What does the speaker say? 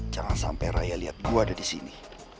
jangan sampai raya liat gua ada disini